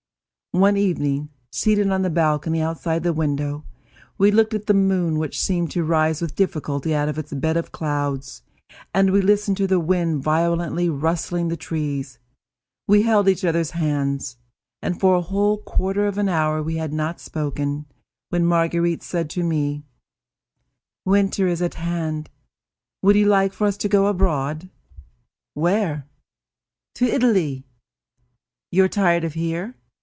One evening, seated on the balcony outside the window, we looked at the moon which seemed to rise with difficulty out of its bed of clouds, and we listened to the wind violently rustling the trees; we held each other's hands, and for a whole quarter of an hour we had not spoken, when Marguerite said to me: "Winter is at hand. Would you like for us to go abroad?" "Where?" "To Italy." "You are tired of here?"